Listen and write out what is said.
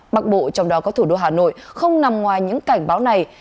bắc bộ trong đó có thủ đô hà nội không nằm ngoài những cảnh báo này